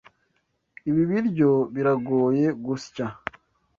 Ibi biryo biragoye gusya.